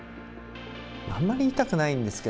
あんまり言いたくないんですけど。